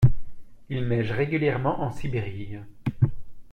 Il neige régulièrement en Sibérie.